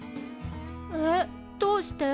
えっどうして？